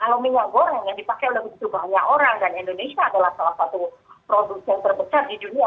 kalau minyak goreng yang dipakai lebih banyak orang dan indonesia adalah salah satu produk yang terbesar di dunia